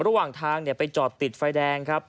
ระหว่างทางไปจอดติดไฟแดงครับ